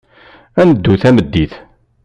Ad neddu tameddit.